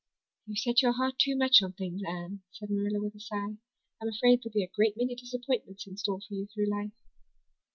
"You set your heart too much on things, Anne," said Marilla, with a sigh. "I'm afraid there'll be a great many disappointments in store for you through life."